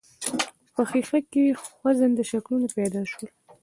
په ښيښه کې خوځنده شکلونه پيدا شول.